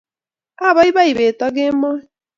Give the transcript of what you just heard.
Abaibai bet aK Kemoi,